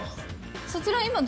そちら今。